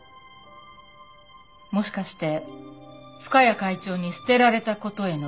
もしかして深谷会長に捨てられた事への恨み？